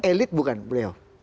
elit bukan beliau